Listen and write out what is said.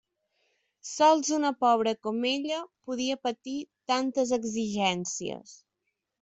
Sols una pobra com ella podia patir tantes exigències.